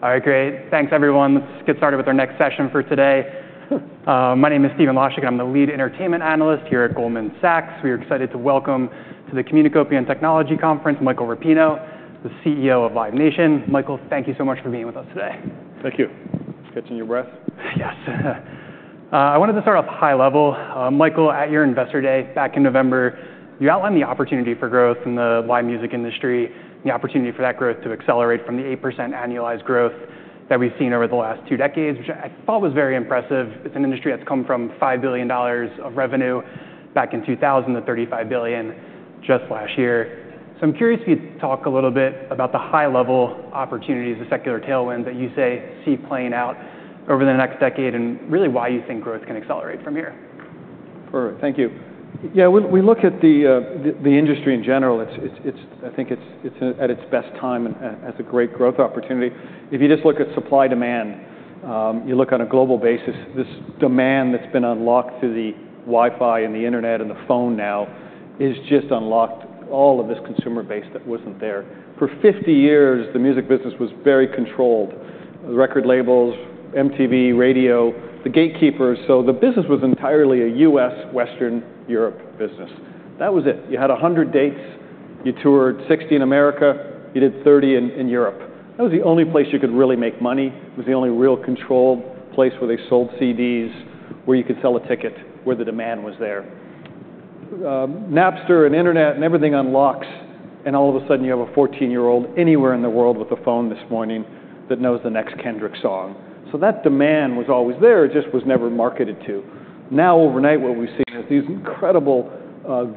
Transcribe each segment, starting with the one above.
All right, great. Thanks, everyone. Let's get started with our next session for today. My name is Stephen Laszczyk, I'm the Lead Entertainment Analyst here at Goldman Sachs. We are excited to welcome to the Communicopia Technology Conference, Michael Rapino, the CEO of Live Nation. Michael, thank you so much for being with us today. Thank you. Catching your breath? Yes. I wanted to start off high level. Michael, at your Investor Day back in November, you outlined the opportunity for growth in the live music industry, and the opportunity for that growth to accelerate from the 8% annualized growth that we've seen over the last two decades, which I thought was very impressive. It's an industry that's come from $5 billion of revenue back in 2000 to $35 billion just last year. So I'm curious for you to talk a little bit about the high-level opportunities, the secular tailwind that you see playing out over the next decade, and really why you think growth can accelerate from here. Sure. Thank you. Yeah, when we look at the industry in general, it's at its best time and has a great growth opportunity. If you just look at supply-demand, you look on a global basis, this demand that's been unlocked through the Wi-Fi and the Internet and the phone now has just unlocked all of this consumer base that wasn't there. For 50 years, the music business was very controlled: the record labels, MTV, radio, the gatekeepers. So the business was entirely a U.S., Western Europe business. That was it. You had 100 dates, you toured 60 in America, you did 30 in Europe. That was the only place you could really make money, it was the only real controlled place where they sold CDs, where you could sell a ticket, where the demand was there. Napster and Internet and everything unlocks, and all of a sudden you have a fourteen-year-old anywhere in the world with a phone this morning that knows the next Kendrick song. So that demand was always there, it just was never marketed to. Now, overnight, what we've seen is these incredible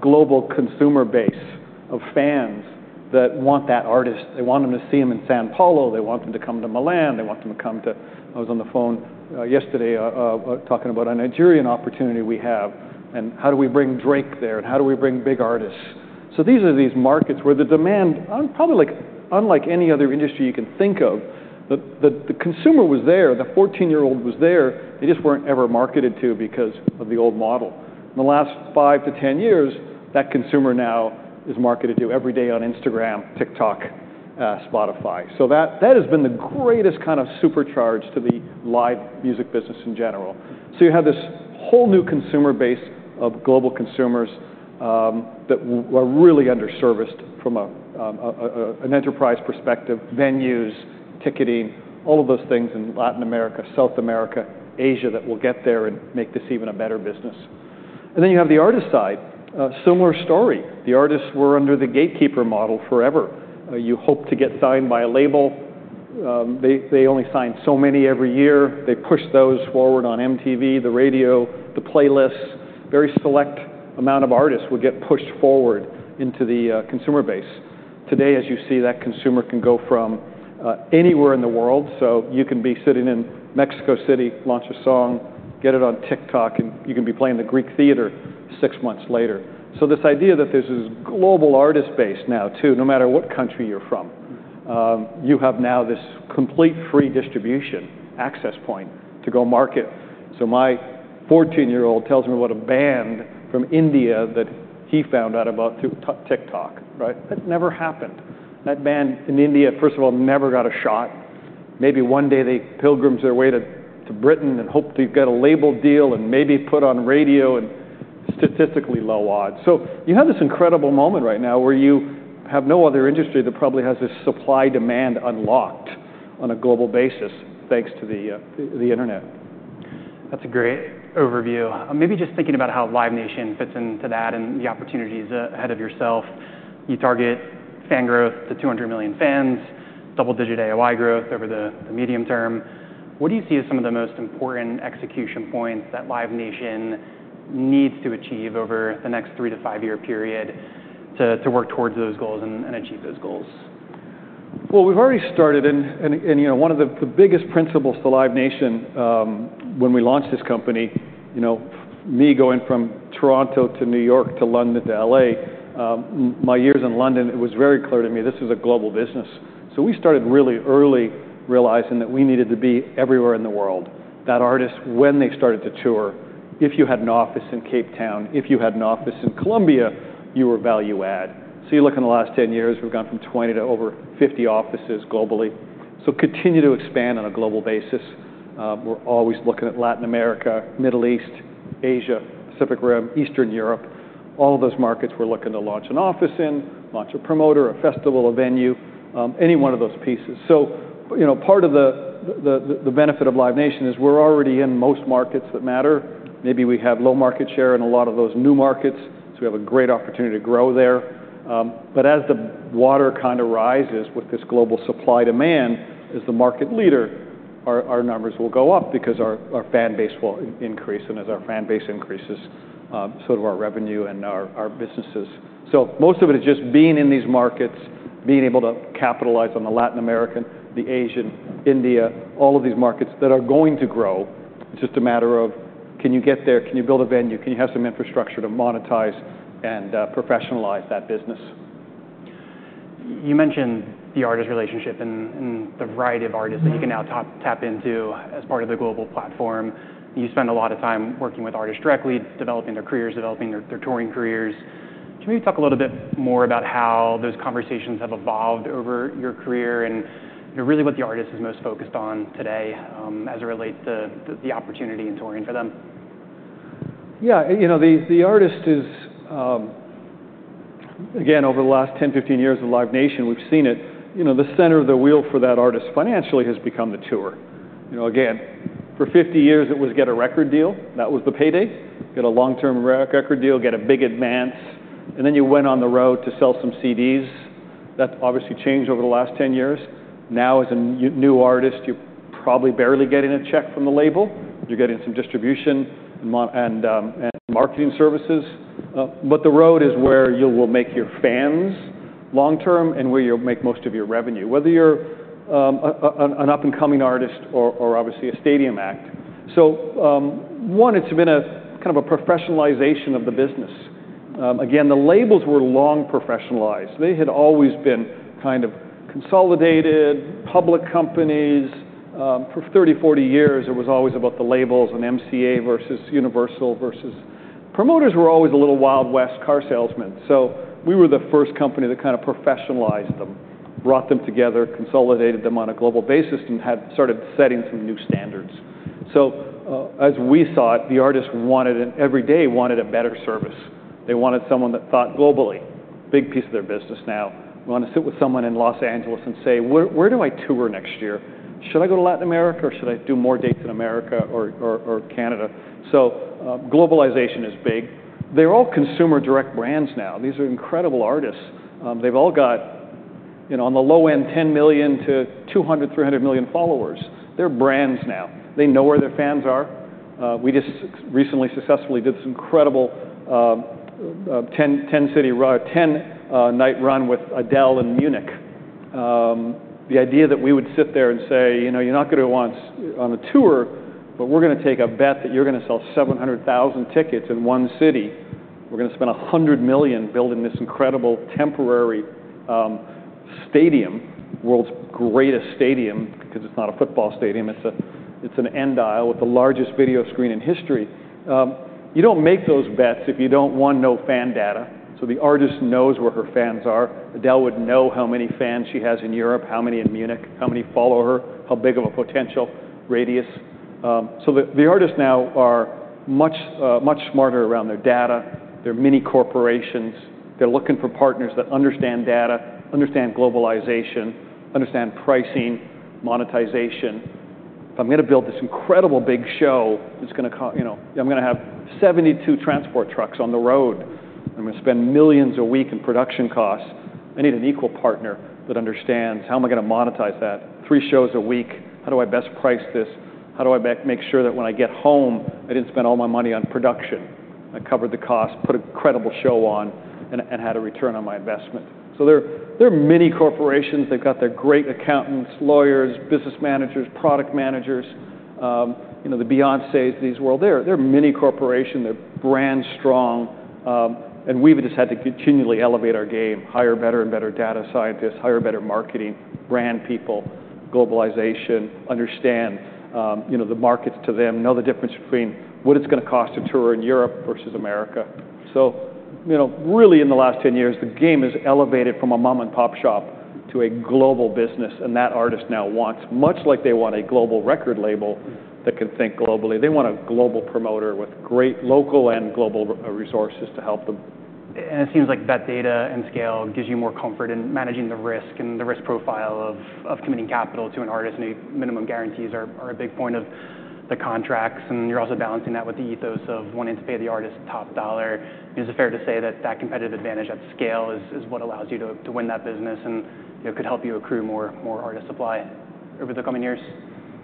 global consumer base of fans that want that artist. They want them to see them in São Paulo, they want them to come to Milan, they want them to come to... I was on the phone yesterday talking about a Nigerian opportunity we have, and how do we bring Drake there, and how do we bring big artists? So these are markets where the demand unmet, probably, like, unlike any other industry you can think of, the consumer was there, the fourteen-year-old was there, they just weren't ever marketed to because of the old model. In the last five to ten years, that consumer now is marketed to every day on Instagram, TikTok, Spotify. So that has been the greatest kind of supercharge to the live music business in general. So you have this whole new consumer base of global consumers that were really under-serviced from an enterprise perspective, venues, ticketing, all of those things in Latin America, South America, Asia, that will get there and make this even a better business. And then you have the artist side. A similar story. The artists were under the gatekeeper model forever. You hope to get signed by a label. They only sign so many every year. They push those forward on MTV, the radio, the playlists. A very select amount of artists would get pushed forward into the consumer base. Today, as you see, that consumer can go from anywhere in the world. So you can be sitting in Mexico City, launch a song, get it on TikTok, and you can be playing the Greek Theatre six months later. So this idea that there's this global artist base now, too, no matter what country you're from, you have now this complete free distribution access point to go market. So my fourteen-year-old tells me about a band from India that he found out about through TikTok, right? That never happened. That band in India, first of all, never got a shot. Maybe one day they pilgrimaged their way to Britain and hoped to get a label deal and maybe put on radio, and statistically low odds. So you have this incredible moment right now where you have no other industry that probably has this supply-demand unlocked on a global basis, thanks to the Internet. That's a great overview. Maybe just thinking about how Live Nation fits into that and the opportunities ahead of yourself. You target fan growth to 200 million fans, double-digit AOI growth over the medium term. What do you see as some of the most important execution points that Live Nation needs to achieve over the next 3 to 5-year period to work towards those goals and achieve those goals? We've already started, and you know, one of the biggest principles to Live Nation, when we launched this company, you know, me going from Toronto to New York, to London, to LA, my years in London, it was very clear to me this is a global business. We started really early, realizing that we needed to be everywhere in the world. That artists, when they started to tour, if you had an office in Cape Town, if you had an office in Colombia, you were value add. You look in the last 10 years, we've gone from 20 to over 50 offices globally. Continue to expand on a global basis. We're always looking at Latin America, Middle East, Asia, Pacific Rim, Eastern Europe. All of those markets, we're looking to launch an office in, launch a promoter, a festival, a venue, any one of those pieces. So you know, part of the benefit of Live Nation is we're already in most markets that matter. Maybe we have low market share in a lot of those new markets, so we have a great opportunity to grow there. But as the water kind of rises with this global supply-demand, as the market leader, our numbers will go up because our fan base will increase, and as our fan base increases, so do our revenue and our businesses. So most of it is just being in these markets, being able to capitalize on the Latin America, the Asia, India, all of these markets that are going to grow. It's just a matter of, can you get there? Can you build a venue? Can you have some infrastructure to monetize and professionalize that business? You mentioned the artist relationship and the variety of artists- Mm-hmm... that you can now tap into as part of the global platform. You spend a lot of time working with artists directly, developing their careers, their touring careers.... Can you talk a little bit more about how those conversations have evolved over your career and, you know, really what the artist is most focused on today, as it relates to the opportunity in touring for them? Yeah, you know, the artist is again over the last ten, fifteen years of Live Nation, we've seen it. You know, the center of the wheel for that artist financially has become the tour. You know, again, for fifty years it was get a record deal. That was the payday. Get a long-term re-record deal, get a big advance, and then you went on the road to sell some CDs. That's obviously changed over the last ten years. Now, as a new artist, you're probably barely getting a check from the label. You're getting some distribution and marketing services. But the road is where you will make your fans long term and where you'll make most of your revenue, whether you're an up-and-coming artist or obviously a stadium act. It's been a kind of a professionalization of the business. Again, the labels were long professionalized. They had always been kind of consolidated, public companies. For 30, 40 years, it was always about the labels and MCA versus Universal versus... Promoters were always a little Wild West car salesmen. We were the first company to kind of professionalize them, brought them together, consolidated them on a global basis, and had started setting some new standards. As we saw it, the artist wanted and every artist wanted a better service. They wanted someone that thought globally. Big piece of their business now. They want to sit with someone in Los Angeles and say, "Where do I tour next year? Should I go to Latin America, or should I do more dates in America or Canada?" Globalization is big. They're all consumer direct brands now. These are incredible artists. They've all got, you know, on the low end, 10 million to 200, 300 million followers. They're brands now. They know where their fans are. We just recently successfully did this incredible ten-night run with Adele in Munich. The idea that we would sit there and say, "You know, you're not going to want on a tour, but we're going to take a bet that you're going to sell 700,000 tickets in one city. We're going to spend $100 million building this incredible temporary stadium," world's greatest stadium, because it's not a football stadium, it's an end-stage with the largest video screen in history. You don't make those bets if you don't, one, know fan data, so the artist knows where her fans are. Adele would know how many fans she has in Europe, how many in Munich, how many follow her, how big of a potential radius. So the artists now are much, much smarter around their data. They're mini corporations. They're looking for partners that understand data, understand globalization, understand pricing, monetization. If I'm going to build this incredible big show, it's going to cost. You know, I'm going to have 72 transport trucks on the road. I'm going to spend millions a week in production costs. I need an equal partner that understands how am I going to monetize that. Three shows a week, how do I best price this? How do I make sure that when I get home, I didn't spend all my money on production? I covered the cost, put an incredible show on, and had a return on my investment. So there are many corporations that got their great accountants, lawyers, business managers, product managers. You know, the Beyoncés of this world, they're a mini corporation. They're brand strong, and we've just had to continually elevate our game, hire better and better data scientists, hire better marketing, brand people, globalization, understand, you know, the markets to them, know the difference between what it's going to cost to tour in Europe versus America. So, you know, really, in the last ten years, the game has elevated from a mom-and-pop shop to a global business, and that artist now wants, much like they want a global record label that can think globally, they want a global promoter with great local and global resources to help them. It seems like that data and scale gives you more comfort in managing the risk and the risk profile of committing capital to an artist, and minimum guarantees are a big point of the contracts, and you're also balancing that with the ethos of wanting to pay the artist top dollar. Is it fair to say that that competitive advantage at scale is what allows you to win that business and, you know, could help you accrue more artist supply over the coming years?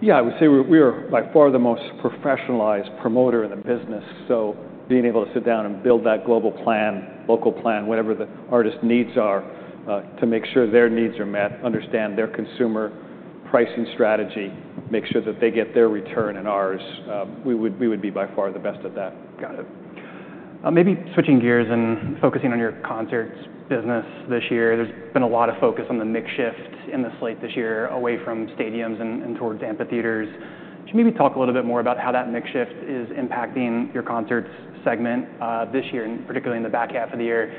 Yeah, I would say we are by far the most professionalized promoter in the business, so being able to sit down and build that global plan, local plan, whatever the artist needs are, to make sure their needs are met, understand their consumer pricing strategy, make sure that they get their return and ours, we would be by far the best at that. Got it. Maybe switching gears and focusing on your concerts business this year, there's been a lot of focus on the mix shift in the slate this year away from stadiums and towards amphitheaters. Could you maybe talk a little bit more about how that mix shift is impacting your concerts segment this year, and particularly in the back half of the year?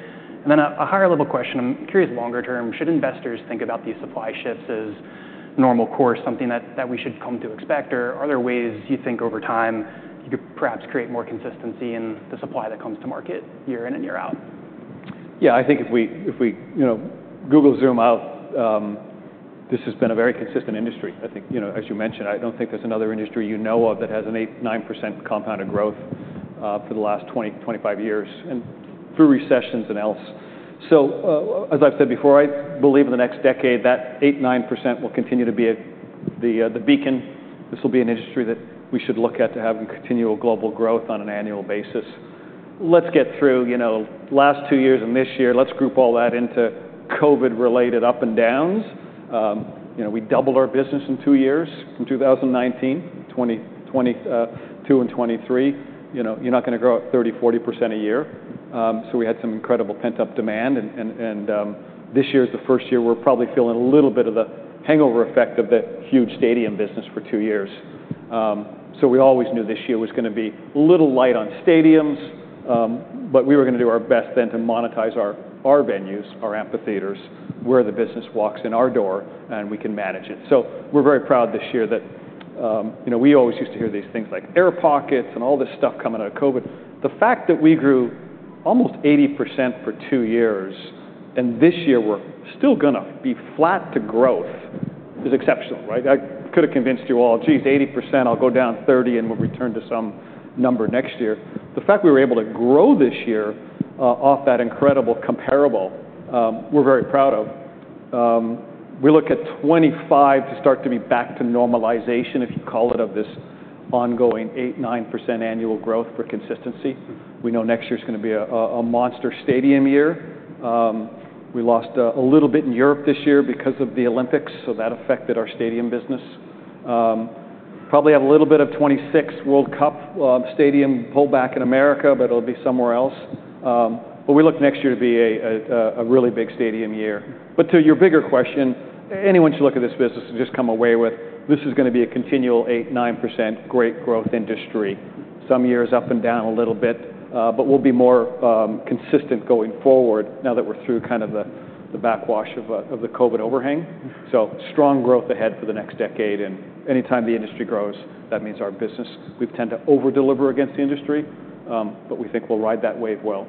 And then a higher level question, I'm curious, longer term, should investors think about these supply shifts as normal course, something that we should come to expect, or are there ways you think over time you could perhaps create more consistency in the supply that comes to market year in and year out? Yeah, I think if we, you know, zoom out, this has been a very consistent industry. I think, you know, as you mentioned, I don't think there's another industry you know of that has an 8%-9% compounded growth for the last 20-25 years and through recessions and else. So, as I've said before, I believe in the next decade, that 8%-9% will continue to be the beacon. This will be an industry that we should look at to have continual global growth on an annual basis. Let's get through, you know, last two years and this year. Let's group all that into COVID-related up and downs. You know, we doubled our business in two years, from 2019, 2020 to 2023. You know, you're not going to grow at 30%-40% a year. So we had some incredible pent-up demand, and this year is the first year we're probably feeling a little bit of the hangover effect of that huge stadium business for two years. So we always knew this year was gonna be a little light on stadiums, but we were gonna do our best then to monetize our venues, our amphitheaters, where the business walks in our door, and we can manage it. So we're very proud this year that, you know, we always used to hear these things like air pockets and all this stuff coming out of COVID. The fact that we grew almost 80% for two years, and this year we're still gonna be flat to growth, is exceptional, right? I could have convinced you all, geez, 80%, I'll go down 30%, and we'll return to some number next year. The fact that we were able to grow this year off that incredible comparable, we're very proud of. We look at 2025 to start to be back to normalization, if you call it, of this ongoing 8%-9% annual growth for consistency. We know next year's gonna be a monster stadium year. We lost a little bit in Europe this year because of the Olympics, so that affected our stadium business. Probably have a little bit of 2026 World Cup stadium pull back in America, but it'll be somewhere else. But we look next year to be a really big stadium year. But to your bigger question, anyone should look at this business and just come away with, this is gonna be a continual 8%-9% great growth industry. Some years up and down a little bit, but we'll be more consistent going forward now that we're through kind of the backwash of the COVID overhang. So strong growth ahead for the next decade, and anytime the industry grows, that means our business. We tend to over deliver against the industry, but we think we'll ride that wave well.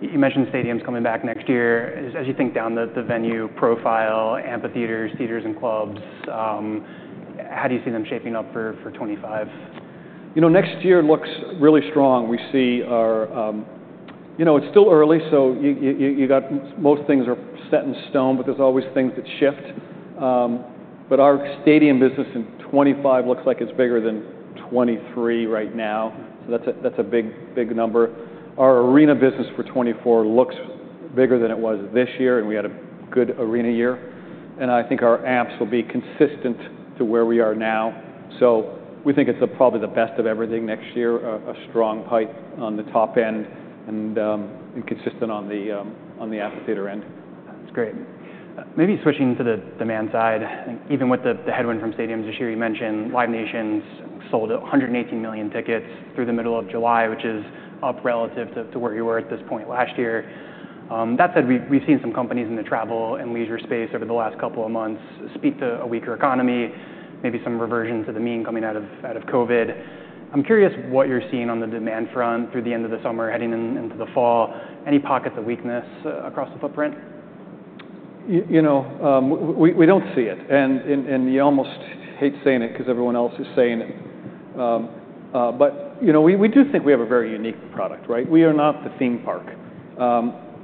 You mentioned stadiums coming back next year. As you think down the venue profile, amphitheaters, theaters, and clubs, how do you see them shaping up for 2025? You know, next year looks really strong. We see our... You know, it's still early, so you got-- most things are set in stone, but there's always things that shift. But our stadium business in 2025 looks like it's bigger than 2023 right now. So that's a big, big number. Our arena business for 2024 looks bigger than it was this year, and we had a good arena year. And I think our amps will be consistent to where we are now. So we think it's probably the best of everything next year, a strong high on the top end and consistent on the amphitheater end. That's great. Maybe switching to the demand side, even with the headwind from stadiums this year, you mentioned Live Nation's sold 118 million tickets through the middle of July, which is up relative to where you were at this point last year. That said, we've seen some companies in the travel and leisure space over the last couple of months speak to a weaker economy, maybe some reversion to the mean coming out of COVID. I'm curious what you're seeing on the demand front through the end of the summer, heading into the fall. Any pockets of weakness across the footprint? You know, we don't see it. And you almost hate saying it because everyone else is saying it. But you know, we do think we have a very unique product, right? We are not the theme park.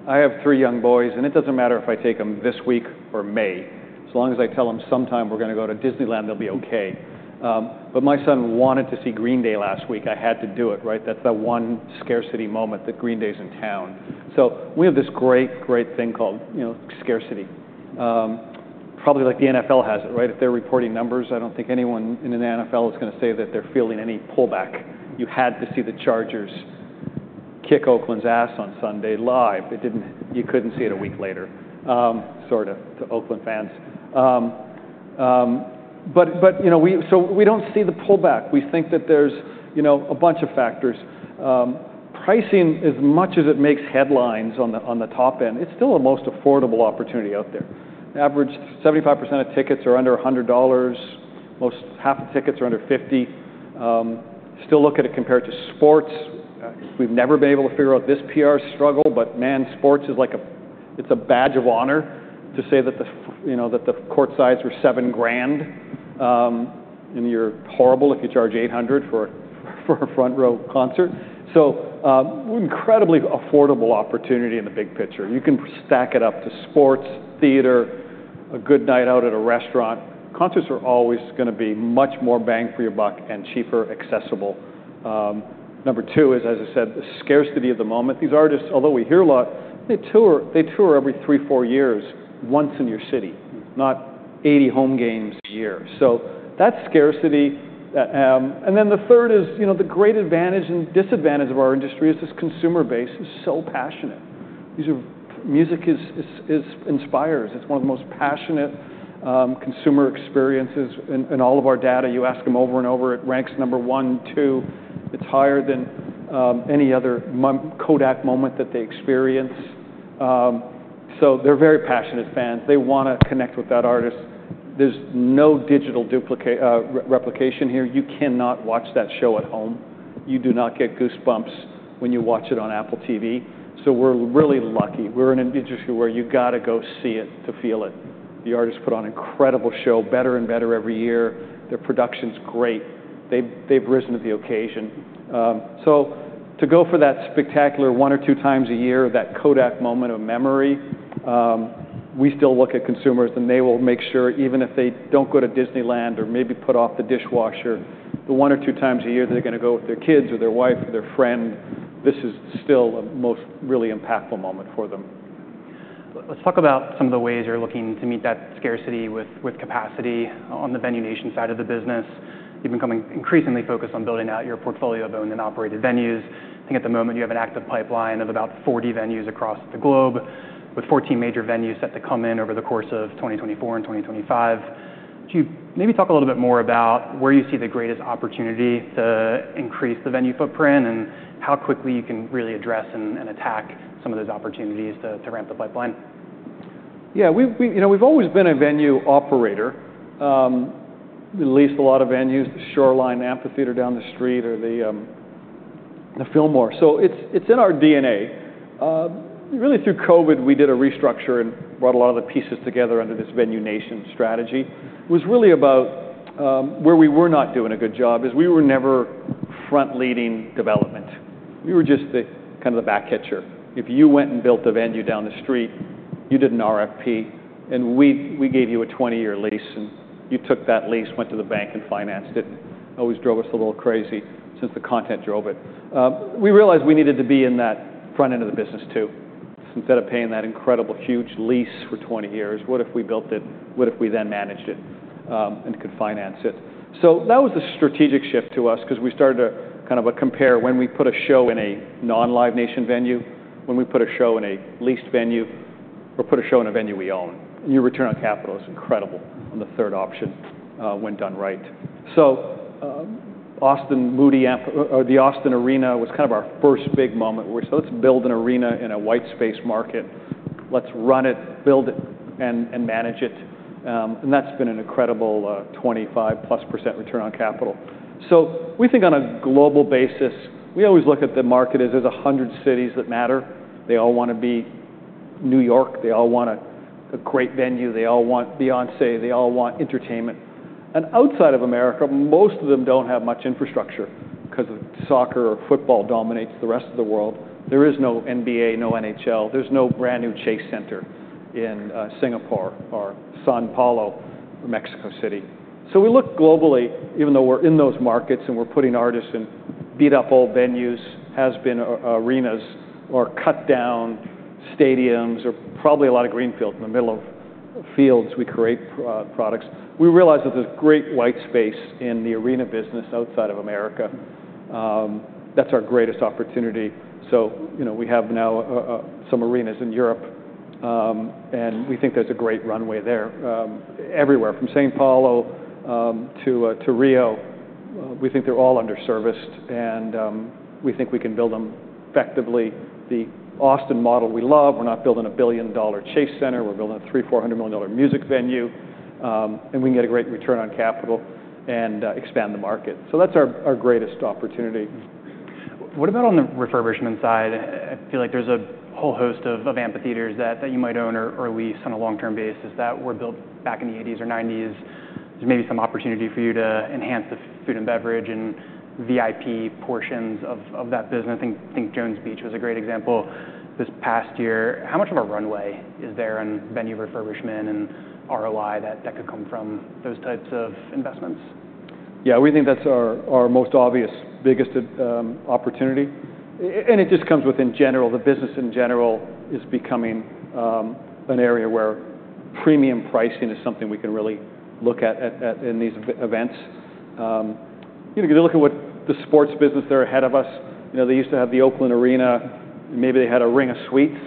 I have three young boys, and it doesn't matter if I take them this week or May, as long as I tell them sometime we're gonna go to Disneyland, they'll be okay. But my son wanted to see Green Day last week. I had to do it, right? That's the one scarcity moment that Green Day's in town. So we have this great thing called, you know, scarcity. Probably like the NFL has it, right? If they're reporting numbers, I don't think anyone in the NFL is gonna say that they're feeling any pullback. You had to see the Chargers kick Oakland's ass on Sunday Live. It didn't, you couldn't see it a week later, sort of, to Oakland fans. But, you know, so we don't see the pullback. We think that there's, you know, a bunch of factors. Pricing, as much as it makes headlines on the, on the top end, it's still the most affordable opportunity out there. Average 75% of tickets are under $100. Most half the tickets are under $50. Still look at it compared to sports. We've never been able to figure out this PR struggle, but, man, sports is like a. It's a badge of honor to say that the f- you know, that the courtsides were $7,000, and you're horrible if you charge $800 for a, for a front row concert. Incredibly affordable opportunity in the big picture. You can stack it up to sports, theater, a good night out at a restaurant. Concerts are always gonna be much more bang for your buck and cheaper, accessible. Number two is, as I said, the scarcity of the moment. These artists, although we hear a lot, they tour, they tour every three, four years, once in your city, not eighty home games a year. So that's scarcity. Then the third is, you know, the great advantage and disadvantage of our industry is this consumer base is so passionate. These are music is inspires. It's one of the most passionate consumer experiences in all of our data. You ask them over and over, it ranks number one, two. It's higher than any other Kodak moment that they experience. So they're very passionate fans. They wanna connect with that artist. There's no digital duplicate, replication here. You cannot watch that show at home. You do not get goosebumps when you watch it on Apple TV. So we're really lucky. We're in an industry where you've got to go see it to feel it. The artists put on incredible show, better and better every year. Their production's great. They've risen to the occasion. So to go for that spectacular one or two times a year, that Kodak moment of memory, we still look at consumers, and they will make sure, even if they don't go to Disneyland or maybe put off the dishwasher, the one or two times a year they're gonna go with their kids or their wife or their friend, this is still a most really impactful moment for them. Let's talk about some of the ways you're looking to meet that scarcity with capacity on the Venue Nation side of the business. You've been coming increasingly focused on building out your portfolio of owned and operated venues. I think at the moment, you have an active pipeline of about 40 venues across the globe, with 14 major venues set to come in over the course of 2024 and 2025. Could you maybe talk a little bit more about where you see the greatest opportunity to increase the venue footprint, and how quickly you can really address and attack some of those opportunities to ramp the pipeline? Yeah, you know, we've always been a venue operator. We lease a lot of venues, the Shoreline Amphitheatre down the street or The Fillmore, so it's in our DNA. Really, through COVID, we did a restructure and brought a lot of the pieces together under this Venue Nation strategy. It was really about where we were not doing a good job is we were never front-leading development. We were just kind of the back catcher. If you went and built a venue down the street, you did an RFP, and we gave you a twenty-year lease, and you took that lease, went to the bank and financed it. Always drove us a little crazy since the content drove it. We realized we needed to be in that front end of the business, too. So instead of paying that incredible, huge lease for 20 years, what if we built it? What if we then managed it and could finance it? So that was the strategic shift to us 'cause we started to kind of compare when we put a show in a non-Live Nation venue, when we put a show in a leased venue, or put a show in a venue we own, and your return on capital is incredible on the third option when done right. So, Austin Arena was kind of our first big moment, where so let's build an arena in a white space market. Let's run it, build it, and manage it. And that's been an incredible 25+% return on capital. So we think on a global basis, we always look at the market as there's a hundred cities that matter. They all wanna be New York. They all want a great venue. They all want Beyoncé. They all want entertainment. And outside of America, most of them don't have much infrastructure 'cause of soccer or football dominates the rest of the world. There is no NBA, no NHL. There's no brand-new Chase Center in Singapore or São Paulo or Mexico City. So we look globally, even though we're in those markets, and we're putting artists in beat-up, old venues, has-been arenas or cut-down stadiums or probably a lot of greenfields. In the middle of fields, we create products. We realize there's a great white space in the arena business outside of America. That's our greatest opportunity, so, you know, we have now some arenas in Europe, and we think there's a great runway there. Everywhere from São Paulo to Rio, we think they're all underserviced, and we think we can build them effectively. The Austin model we love. We're not building a $1 billion-dollar Chase Center. We're building a $300 million-$400 million music venue, and we can get a great return on capital and expand the market. So that's our greatest opportunity. What about on the refurbishment side? I feel like there's a whole host of amphitheaters that you might own or lease on a long-term basis that were built back in the eighties or nineties. There may be some opportunity for you to enhance the food and beverage and VIP portions of that business. I think Jones Beach was a great example this past year. How much of a runway is there in venue refurbishment and ROI that could come from those types of investments? Yeah, we think that's our most obvious, biggest opportunity, and it just comes with in general. The business in general is becoming an area where premium pricing is something we can really look at at in these events. You know, if you look at what the sports business, they're ahead of us. You know, they used to have the Oakland Arena. Maybe they had a ring of suites,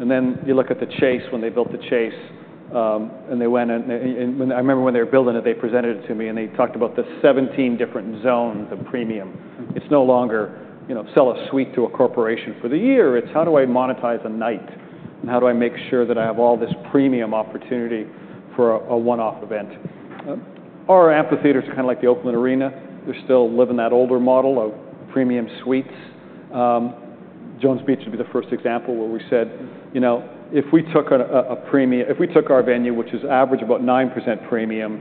and then you look at the Chase Center, when they built the Chase Center, and they went in. And I remember when they were building it, they presented it to me, and they talked about the 17 different zones of premium. It's no longer, you know, sell a suite to a corporation for the year. It's, "How do I monetize a night? How do I make sure that I have all this premium opportunity for a one-off event?" Our amphitheatre is kind of like the Oakland Arena. We still live in that older model of premium suites. Jones Beach would be the first example where we said, "You know, if we took our venue, which is average about 9% premium,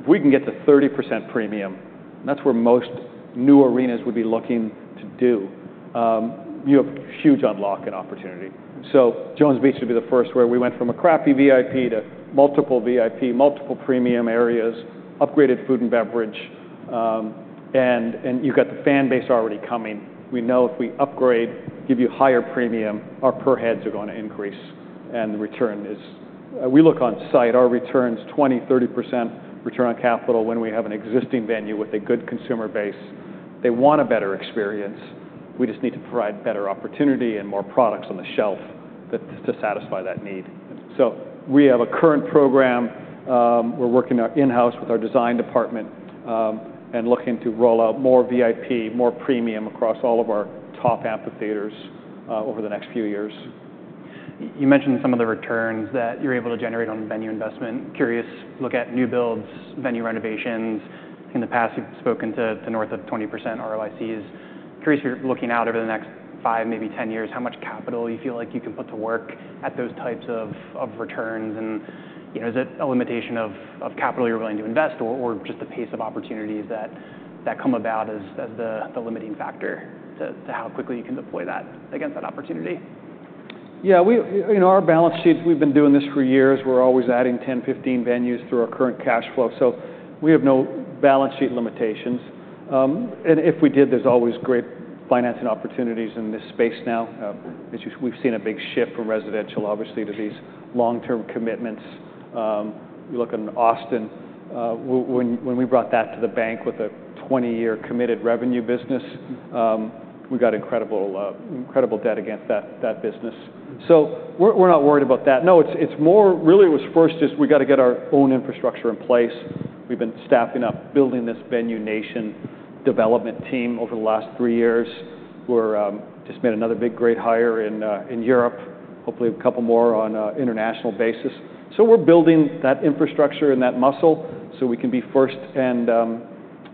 if we can get to 30% premium, that's where most new arenas would be looking to do. You have huge unlock and opportunity. So Jones Beach would be the first, where we went from a crappy VIP to multiple VIP, multiple premium areas, upgraded food and beverage, and you've got the fan base already coming. We know if we upgrade, give you higher premium, our per heads are going to increase, and the return is... We look on-site. Our return's 20%-30% return on capital when we have an existing venue with a good consumer base. They want a better experience. We just need to provide better opportunity and more products on the shelf that to satisfy that need. So we have a current program. We're working in-house with our design department and looking to roll out more VIP, more premium across all of our top amphitheaters over the next few years. You mentioned some of the returns that you're able to generate on venue investment. Curious, looking at new builds, venue renovations. In the past, you've spoken to north of 20% ROICs. Curious, you're looking out over the next five, maybe 10 years, how much capital you feel like you can put to work at those types of returns, and, you know, is it a limitation of capital you're willing to invest or just the pace of opportunities that come about as the limiting factor to how quickly you can deploy that against that opportunity? Yeah, you know, our balance sheet, we've been doing this for years. We're always adding 10, 15 venues through our current cash flow, so we have no balance sheet limitations, and if we did, there's always great financing opportunities in this space now. We've seen a big shift from residential, obviously, to these long-term commitments. You look in Austin, when we brought that to the bank with a 20-year committed revenue business, we got incredible debt against that business, so we're not worried about that. No, it's more really. It was first just we got to get our own infrastructure in place. We've been staffing up, building this Venue Nation development team over the last 3 years. We just made another big, great hire in Europe, hopefully a couple more on an international basis. So we're building that infrastructure and that muscle so we can be first and,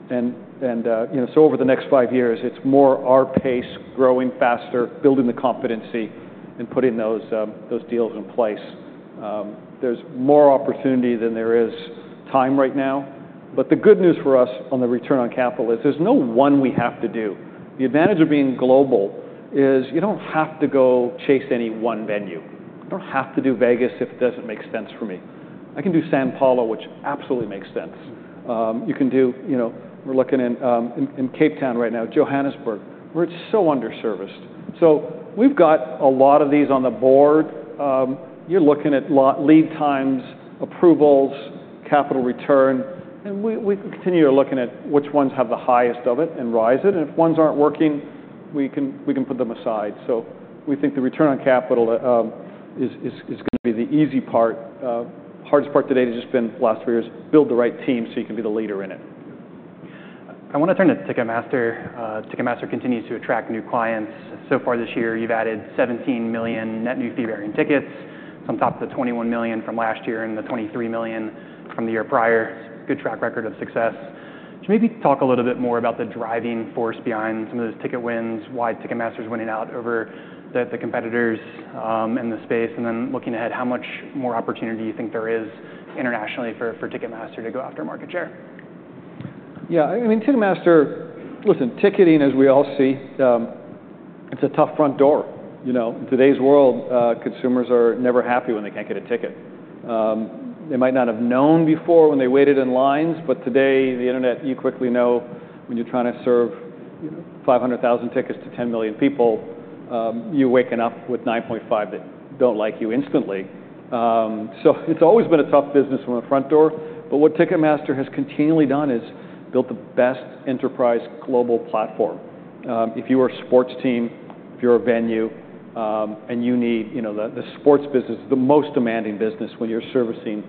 you know, so over the next five years, it's more our pace, growing faster, building the competency, and putting those deals in place. There's more opportunity than there is time right now. But the good news for us on the return on capital is there's no one we have to do. The advantage of being global is you don't have to go chase any one venue. You don't have to do Vegas if it doesn't make sense for me. I can do São Paulo, which absolutely makes sense. You can do, you know, we're looking in Cape Town right now, Johannesburg, where it's so underserviced. So we've got a lot of these on the board. You're looking at long lead times, approvals, capital return, and we continue looking at which ones have the highest of it and rise it. And if ones aren't working, we can put them aside. So we think the return on capital is going to be the easy part. Hardest part today has just been the last three years, build the right team so you can be the leader in it. I want to turn to Ticketmaster. Ticketmaster continues to attract new clients. So far this year, you've added 17 million net new fee-bearing tickets on top of the 21 million from last year and the 23 million from the year prior. Good track record of success. Can you maybe talk a little bit more about the driving force behind some of those Ticket wins, why Ticketmaster is winning out over the competitors in the space, and then looking ahead, how much more opportunity you think there is internationally for Ticketmaster to go after market share? Yeah, I mean, Ticketmaster. Listen, ticketing, as we all see, it's a tough front door. You know, in today's world, consumers are never happy when they can't get a ticket. They might not have known before when they waited in lines, but today, the internet, you quickly know when you're trying to serve 500,000 tickets to 10 million people, you're waking up with 9.5 that don't like you instantly. So it's always been a tough business from a front door, but what Ticketmaster has continually done is built the best enterprise global platform. If you are a sports team, if you're a venue, and you need, you know, the sports business, the most demanding business when you're servicing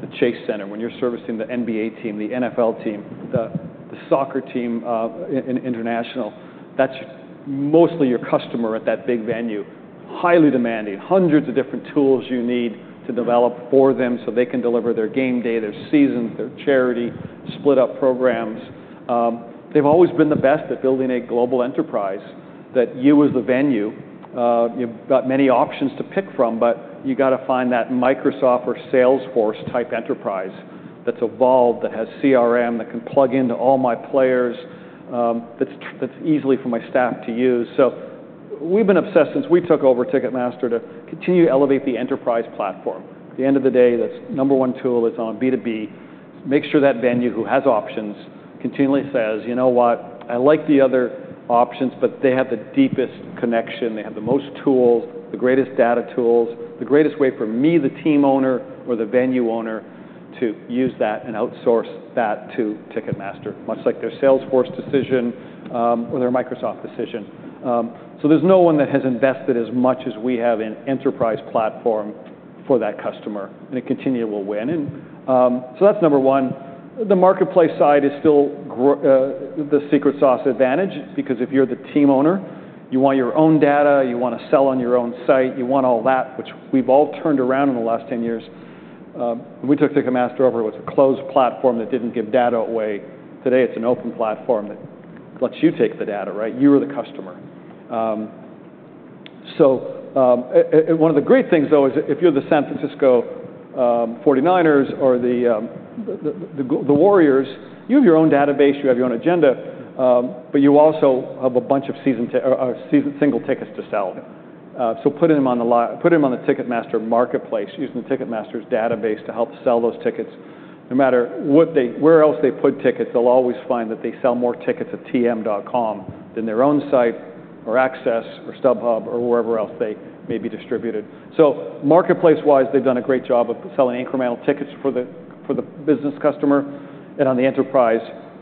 the Chase Center, when you're servicing the NBA team, the NFL team, the soccer team, in international, that's mostly your customer at that big venue. Highly demanding. Hundreds of different tools you need to develop for them so they can deliver their game day, their seasons, their charity, split up programs. They've always been the best at building a global enterprise that you, as the venue, you've got many options to pick from, but you got to find that Microsoft or Salesforce type enterprise that's evolved, that has CRM, that can plug into all my players, that's easily for my staff to use. So we've been obsessed since we took over Ticketmaster to continue to elevate the enterprise platform. At the end of the day, that's number one tool that's on B2B. Make sure that venue who has options continually says: You know what? I like the other options, but they have the deepest connection, they have the most tools, the greatest data tools, the greatest way for me, the team owner or the venue owner, to use that and outsource that to Ticketmaster, much like their Salesforce decision, or their Microsoft decision. So there's no one that has invested as much as we have in enterprise platform for that customer, and it continue will win. And, so that's number one. The marketplace side is still growing, the secret sauce advantage, because if you're the team owner, you want your own data, you want to sell on your own site, you want all that, which we've all turned around in the last 10 years. We took Ticketmaster over. It was a closed platform that didn't give data away. Today, it's an open platform that lets you take the data, right? You are the customer. So, and one of the great things, though, is if you're the San Francisco 49ers or the Warriors, you have your own database, you have your own agenda, but you also have a bunch of season tickets or single tickets to sell. So putting them on the Ticketmaster Marketplace, using Ticketmaster's database to help sell those tickets, no matter where else they put tickets, they'll always find that they sell more tickets at tm.com than their own site or AXS or StubHub or wherever else they may be distributed. So marketplace-wise, they've done a great job of selling incremental tickets for the business customer. And on the enterprise,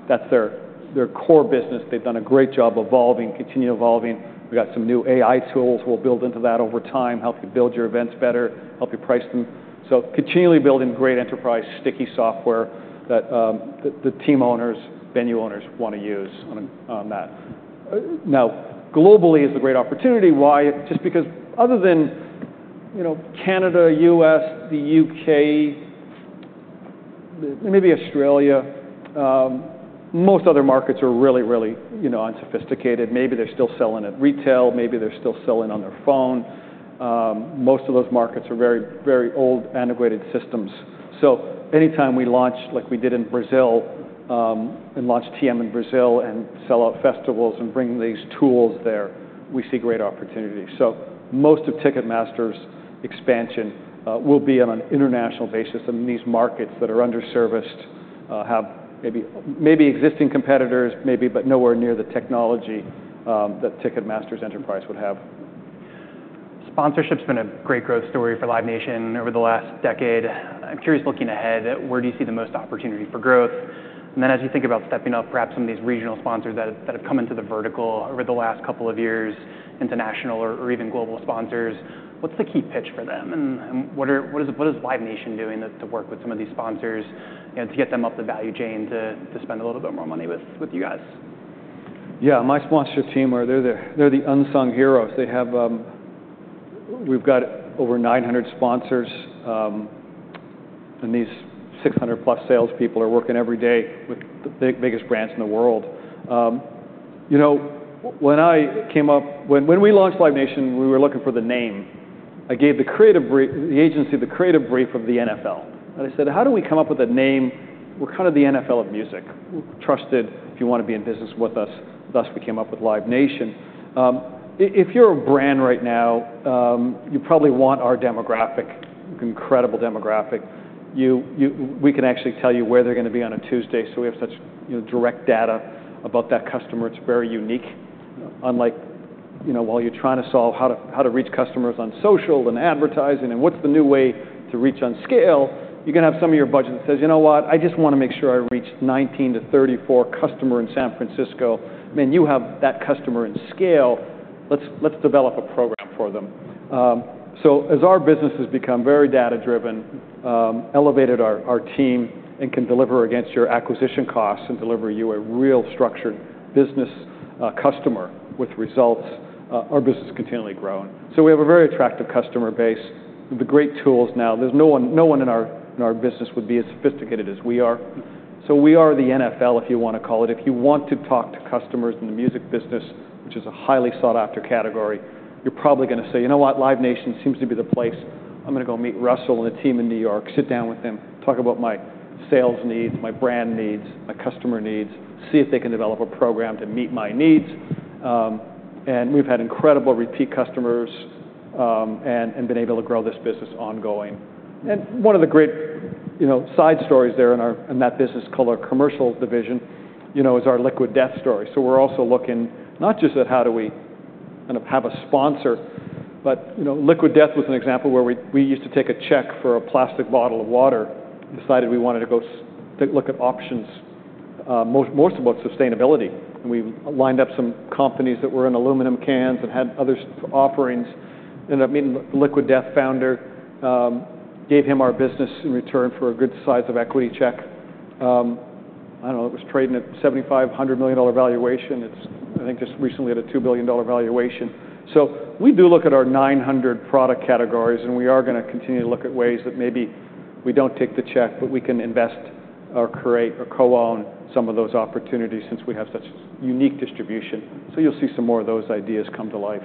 that's their core business. They've done a great job evolving, continuing evolving. We got some new AI tools we'll build into that over time, help you build your events better, help you price them. So continually building great enterprise, sticky software that the team owners, venue owners want to use on that. Now, globally is the great opportunity. Why? Just because other than, you know, Canada, U.S., the U.K., maybe Australia, most other markets are really, really, you know, unsophisticated. Maybe they're still selling at retail, maybe they're still selling on their phone. Most of those markets are very, very old, antiquated systems. So anytime we launch, like we did in Brazil, and launch TM in Brazil and sell out festivals and bring these tools there, we see great opportunity. So most of Ticketmaster's expansion will be on an international basis in these markets that are underserviced, have maybe, maybe existing competitors, maybe, but nowhere near the technology that Ticketmaster's enterprise would have. Sponsorship's been a great growth story for Live Nation over the last decade. I'm curious, looking ahead, where do you see the most opportunity for growth? And then as you think about stepping up perhaps some of these regional sponsors that have come into the vertical over the last couple of years, international or even global sponsors, what's the key pitch for them, and what is Live Nation doing to work with some of these sponsors and to get them up the value chain to spend a little bit more money with you guys? Yeah, my sponsorship team, they're the unsung heroes. They have. We've got over nine hundred sponsors, and these six hundred plus salespeople are working every day with the biggest brands in the world. You know, when we launched Live Nation, we were looking for the name. I gave the creative brief to the agency, the creative brief of the NFL. And I said, "How do we come up with a name? We're kind of the NFL of music. Trusted if you wanna be in business with us." Thus, we came up with Live Nation. If you're a brand right now, you probably want our demographic, incredible demographic. We can actually tell you where they're gonna be on a Tuesday, so we have such, you know, direct data about that customer. It's very unique. Unlike, you know, while you're trying to solve how to reach customers on social and advertising, and what's the new way to reach on scale, you can have some of your budget that says, "You know what? I just wanna make sure I reach 19-34 customer in San Francisco." Man, you have that customer and scale, let's develop a program for them. So as our business has become very data-driven, elevated our team, and can deliver against your acquisition costs and deliver you a real structured business, customer with results, our business is continually growing. So we have a very attractive customer base with the great tools now. There's no one in our business would be as sophisticated as we are. So we are the NFL, if you wanna call it. If you want to talk to customers in the music business, which is a highly sought-after category, you're probably gonna say: You know what? Live Nation seems to be the place. I'm gonna go meet Russell and the team in New York, sit down with them, talk about my sales needs, my brand needs, my customer needs, see if they can develop a program to meet my needs. And we've had incredible repeat customers, and been able to grow this business ongoing. And one of the great, you know, side stories there in that business, called our commercials division, you know, is our Liquid Death story. So we're also looking not just at how do we kind of have a sponsor, but, you know, Liquid Death was an example where we used to take a check for a plastic bottle of water, decided we wanted to go take a look at options, most about sustainability. And we lined up some companies that were in aluminum cans and had other offerings. Ended up meeting Liquid Death founder, gave him our business in return for a good size of equity check. I don't know, it was trading at $7.5 billion valuation. It's, I think, just recently at a $2 billion valuation. We do look at our nine hundred product categories, and we are gonna continue to look at ways that maybe we don't take the check, but we can invest or create or co-own some of those opportunities since we have such unique distribution. You'll see some more of those ideas come to life.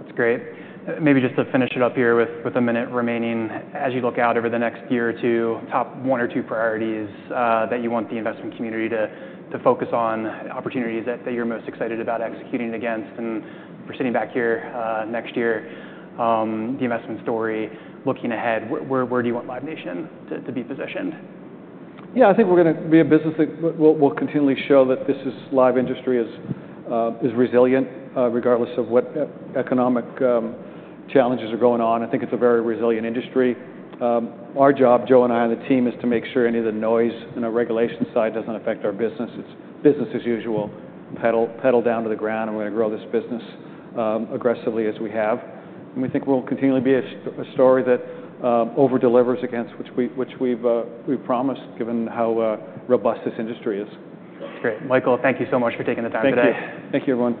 That's great. Maybe just to finish it up here with a minute remaining. As you look out over the next year or two, top one or two priorities that you want the investment community to focus on, opportunities that you're most excited about executing against, and we're sitting back here next year, the investment story, looking ahead, where do you want Live Nation to be positioned? Yeah, I think we're gonna be a business that we'll continually show that live industry is resilient, regardless of what economic challenges are going on. I think it's a very resilient industry. Our job, Joe and I, on the team, is to make sure any of the noise in the regulation side doesn't affect our business. It's business as usual, pedal, pedal down to the ground, and we're gonna grow this business aggressively as we have. And we think we'll continually be a story that over-delivers against which we've promised, given how robust this industry is. Great. Michael, thank you so much for taking the time today. Thank you. Thank you, everyone.